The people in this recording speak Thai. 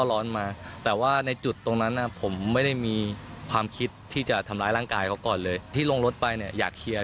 แล้วก็ถ้าสมมุติว่าเขามีกรรมความตายทางแห่งใหญ่